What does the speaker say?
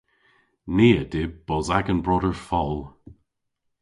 Ni a dyb bos agan broder fol.